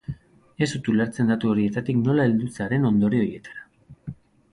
Ez dut ulertzen datu horietatik nola heldu zaren ondorio horietara.